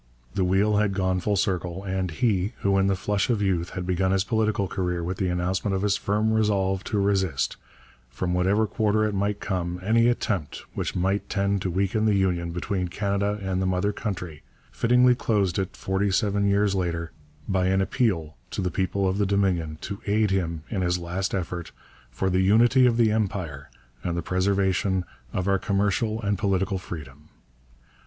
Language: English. The wheel had gone full circle, and he, who in the flush of youth had begun his political career with the announcement of his firm resolve to resist, from whatever quarter it might come, any attempt which might tend to weaken the union between Canada and the mother country, fittingly closed it forty seven years later by an appeal to the people of the Dominion to aid him in his last effort 'for the unity of the Empire and the preservation of our commercial and political freedom.'